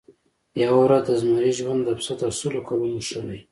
یوه ورځ د زمري ژوند د پسه تر سلو کلونو ښه دی.